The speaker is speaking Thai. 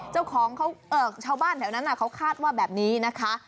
ชาวบ้านแถวนั้นเขาคาดว่าแบบนี้นะคะ